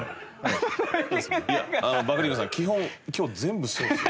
いやバカリズムさん基本今日全部そうですよ。